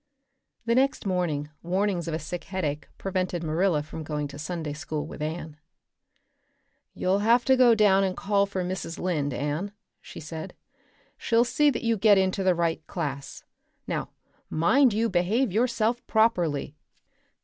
The next morning warnings of a sick headache prevented Marilla from going to Sunday school with Anne. "You'll have to go down and call for Mrs. Lynde, Anne," she said. "She'll see that you get into the right class. Now, mind you behave yourself properly.